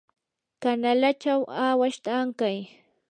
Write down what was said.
kanalachaw awashta ankay.